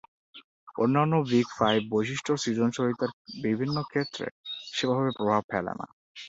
অন্যান্য big five বৈশিষ্ট্য সৃজনশীলতার বিভিন্ন ক্ষেত্রে সেভাবে প্রভাব ফেলে না।